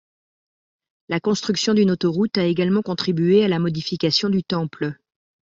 La construction d'une autoroute a également contribué à la modification du temple.